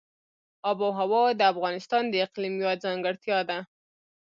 آب وهوا د افغانستان د اقلیم یوه ځانګړتیا ده.